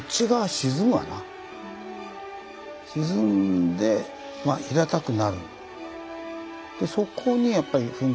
沈んでまあ平たくなる。